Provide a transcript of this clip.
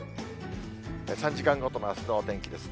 ３時間ごとのあすのお天気です。